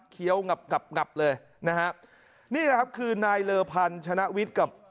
เขี้ยวหงับเลยนะครับนี่นะครับคือนายเลอภัณฑ์ชนะวิทย์กับ